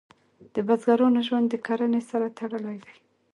د بزګرانو ژوند د کرنې سره تړلی دی.